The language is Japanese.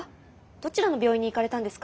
どちらの病院に行かれたんですか？